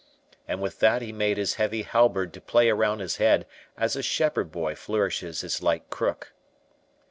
And with that he made his heavy halberd to play around his head as a shepherd boy flourishes his light crook.